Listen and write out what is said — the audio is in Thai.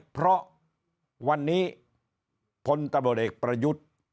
เพราะวันนี้พลตำรวจเอกประยุทธ์